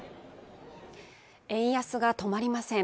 円安が止まりません